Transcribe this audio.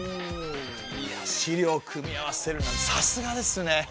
いや資料を組み合わせるなんてさすがですね！